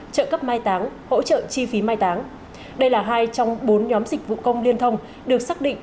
trợ cấp mai táng hỗ trợ chi phí mai táng đây là hai trong bốn nhóm dịch vụ công liên thông được xác định